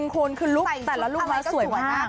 คุณใส่ลูกแต่ละลูกมาสวยมาก